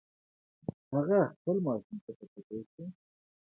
هغه خپل ماشوم ته په کتو شو.